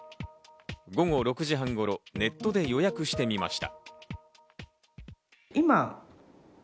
午後６時半頃、ネットで予約してみました。